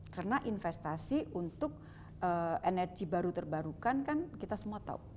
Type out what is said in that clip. karena investasi untuk energi baru terbarukan kan kita semua tahu